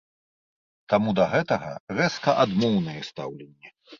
Таму да гэтага рэзка адмоўнае стаўленне.